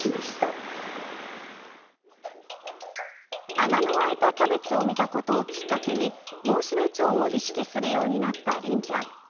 穴の開いたキャベツを見たことをきっかけにモンシロチョウを意識するようになったりんちゃん。